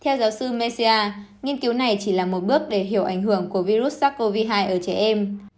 theo giáo sư malaysia mesia nghiên cứu này chỉ là một bước để hiểu ảnh hưởng của virus sars cov hai ở trẻ em